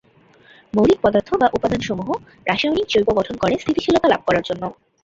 মৌলিক পদার্থ বা উপাদান সমূহ রাসায়নিক যৌগ গঠন করে স্থিতিশীলতা লাভ করার জন্য।